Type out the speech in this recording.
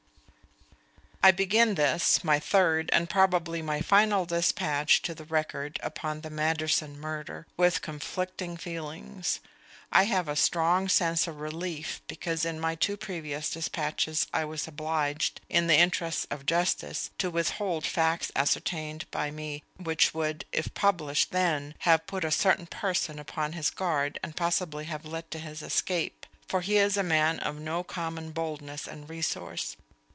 I begin this, my third and probably my final despatch to the Record upon the Manderson murder, with conflicting feelings. I have a strong sense of relief, because in my two previous despatches I was obliged, in the interests of justice, to withhold facts ascertained by me which would, if published then, have put a certain person upon his guard and possibly have led to his escape; for he is a man of no common boldness and resource.